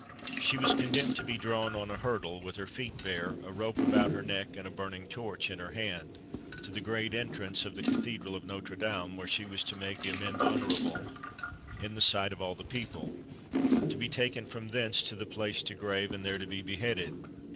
She was condemned to be drawn on a hurdle, with her feet bare, a rope about her neck, and a burning torch in her hand, to the great entrance of the cathedral of Notre Dame, where she was to make the amende honorable in sight of all the people; to be taken from thence to the Place de Grève, and there to be beheaded.